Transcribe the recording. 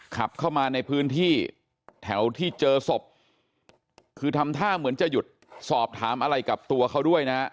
ขับเข้ามาในพื้นที่แถวที่เจอศพคือทำท่าเหมือนจะหยุดสอบถามอะไรกับตัวเขาด้วยนะฮะ